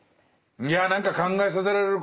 いや何か考えさせられることがね。